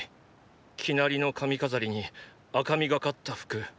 生成りの髪飾りに赤みがかった服。